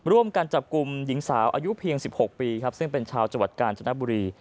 ร่วมกันจับกลุ่มหญิงสาวอายุเพียง๑๖ปีครับซึ่งเป็นชาวจังหวัดกาญจนบุรี